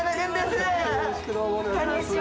よろしくどうもお願いします。